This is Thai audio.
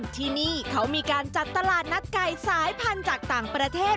ที่นี่เขามีการจัดตลาดนัดไก่สายพันธุ์จากต่างประเทศ